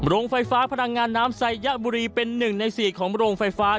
โรงไฟฟ้าพลังงานน้ำไซยะบุรีเป็น๑ใน๔ของโรงไฟฟ้า